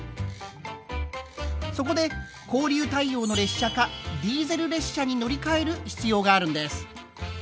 そこで交流対応の列車かディーゼル列車に乗り換える必要があるんです。